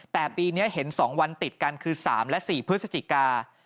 แต่ปีนี้เห็น๒วันติดกันคือ๓และ๔พฤศจิกา